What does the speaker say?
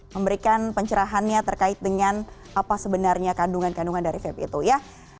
memberikan pencerahannya terkait dengan apa sebenarnya kandungan kandungan dari vape itu ya